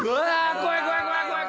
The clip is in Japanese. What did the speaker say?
怖い怖い怖い怖い。